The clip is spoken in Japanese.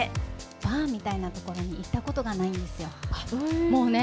バーみたいな所に行ったことがないんですよ。